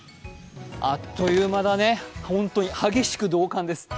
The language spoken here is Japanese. あっという間だね、本当に激しく同感です。